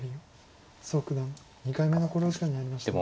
蘇九段２回目の考慮時間に入りました。